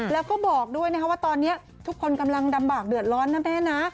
แล้วก็บอกด้วยนะครับว่าตอนนี้ทุกคนกำลังลำบากเดือดร้อนนะแม่นะ